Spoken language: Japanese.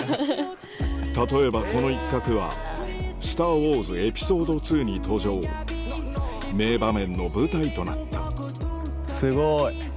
例えばこの一角は『スター・ウォーズエピソード２』に登場名場面の舞台となったすごい！